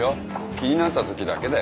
気になったときだけだよ。